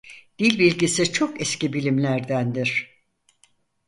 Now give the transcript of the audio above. Dil bilgisi çok eski bilimlerdendir.